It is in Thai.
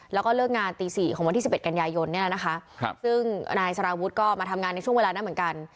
แล้วก็เลิกงานตี๔ของวันที่๑๑กันยายนเนี่ยนะคะซึ่งนายสารวุฒิก็มาทำงานในช่วงเวลานั้นเหมือนกัน